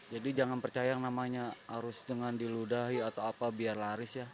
jadi jangan percaya namanya harus dengan diludahi atau apa biar laris ya